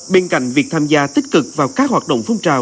bên cạnh việc tham gia tích cực vào các hoạt động phong trào